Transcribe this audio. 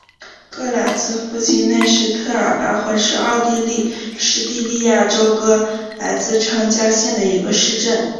格拉茨附近内施特尔巴赫是奥地利施蒂利亚州格拉茨城郊县的一个市镇。